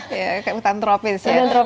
kayak kutan tropis ya